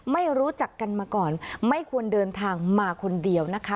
ไม่รู้จักกันมาก่อนไม่ควรเดินทางมาคนเดียวนะคะ